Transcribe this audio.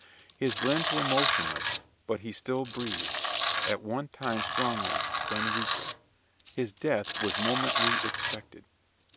His limbs were motionless; but he still breathed, at one time strongly, then weaker his death was momently expected.